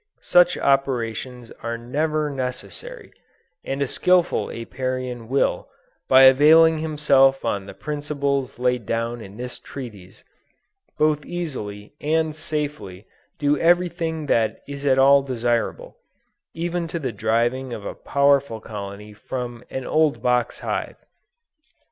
Such operations are never necessary; and a skillful Apiarian will, by availing himself of the principles laid down in this Treatise, both easily and safely do everything that is at all desirable, even to the driving of a powerful colony from an old box hive.